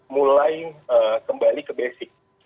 mulai kembali ke basic